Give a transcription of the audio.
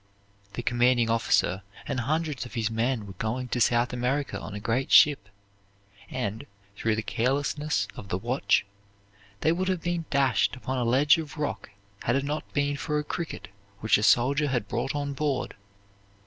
The commanding officer and hundreds of his men were going to South America on a great ship, and, through the carelessness of the watch, they would have been dashed upon a ledge of rock had it not been for a cricket which a soldier had brought on board.